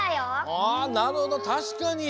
あなるほどたしかに！